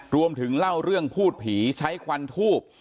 เล่าเรื่องพูดผีใช้ควันทูบ